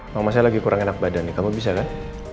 mama saya lagi kurang enak badan nih kamu bisa kan